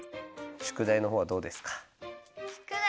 宿題のほうはどうですか？